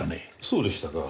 そうでしたか？